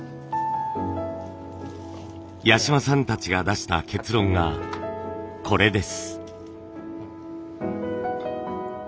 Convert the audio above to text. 八島さんたちが出した結論がこれです。